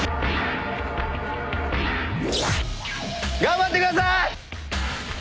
頑張ってください。